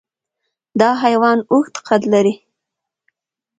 دا حیوان اوږده قد لري.